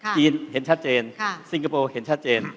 จีนเห็นชัดเจนซิงคโปร์เห็นชัดเจน